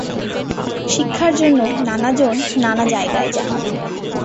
শিক্ষার জন্য নানা জন নানা জায়গায় যান।